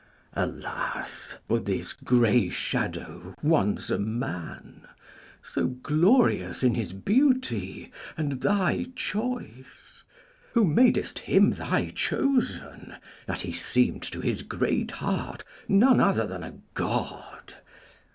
Alas! for this gray shadow, once a man So glorious in his beauty and thy choice, Who madest him thy chosen, that he seem'd To his great heart none other than a God!